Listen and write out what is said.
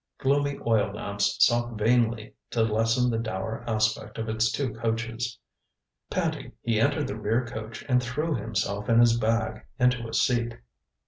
Gloomy oil lamps sought vainly to lessen the dour aspect of its two coaches. Panting, he entered the rear coach and threw himself and his bag into a seat.